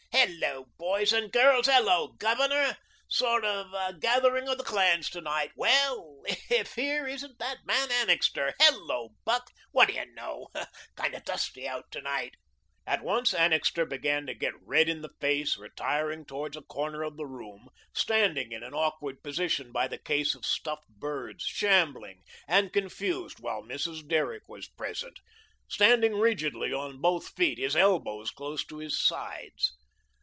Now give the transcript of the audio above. "Hello, boys and girls. Hello, Governor. Sort of a gathering of the clans to night. Well, if here isn't that man Annixter. Hello, Buck. What do you know? Kind of dusty out to night." At once Annixter began to get red in the face, retiring towards a corner of the room, standing in an awkward position by the case of stuffed birds, shambling and confused, while Mrs. Derrick was present, standing rigidly on both feet, his elbows close to his sides.